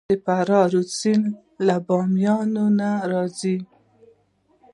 د فراه رود سیند له بامیان راځي